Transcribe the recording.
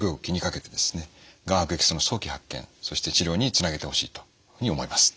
がん悪液質の早期発見そして治療につなげてほしいというふうに思います。